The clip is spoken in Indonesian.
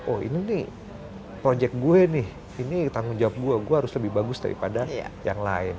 oh ini nih project gue nih ini tanggung jawab gue gue harus lebih bagus daripada yang lain